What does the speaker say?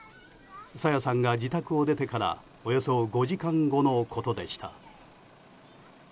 朝芽さんが自宅を出てからおよそ５時間後のことでした。